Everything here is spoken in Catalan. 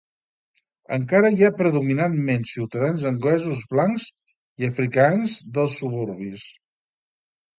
Encara hi ha predominantment ciutadans anglesos blancs i afrikaans dels suburbis.